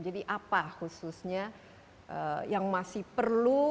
jadi apa khususnya yang masih perlu